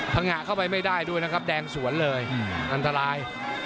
งะเข้าไปไม่ได้ด้วยนะครับแดงสวนเลยอันตราย